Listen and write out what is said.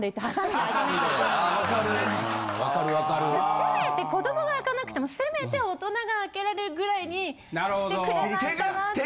せめて子どもが開かなくてもせめて大人が開けれるぐらいにしてくれないかなって。